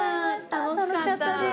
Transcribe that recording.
楽しかったです。